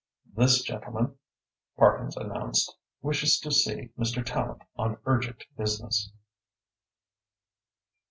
"This gentleman," Parkins announced, "wishes to see Mr. Tallente on urgent business."